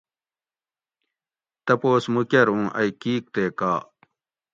تپوس مُو کۤر اُوں ائی کِیک تے کا